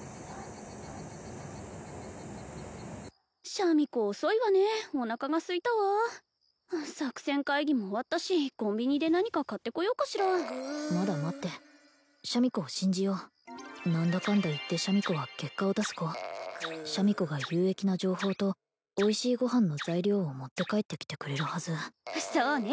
シャミ子遅いわねおなかがすいたわ作戦会議も終わったしコンビニで何か買ってこようかしらまだ待ってシャミ子を信じよう何だかんだいってシャミ子は結果を出す子シャミ子が有益な情報とおいしいご飯の材料を持って帰ってきてくれるはずそうね